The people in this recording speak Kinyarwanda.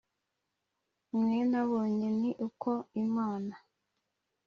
Mwe nabonye ni uko imana